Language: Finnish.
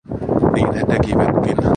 Niin he tekivätkin.